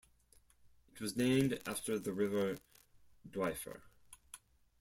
It was named after the river Dwyfor.